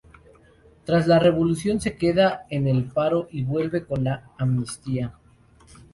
Tras la revolución se queda en el paro y vuelve con la amnistía.